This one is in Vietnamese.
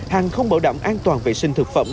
hàng không bảo đảm an toàn vệ sinh thực phẩm